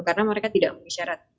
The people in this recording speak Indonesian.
karena mereka tidak memenuhi syarat